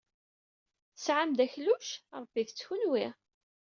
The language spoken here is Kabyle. Tesɛam-d akluc? Ṛebbit-t kenwi.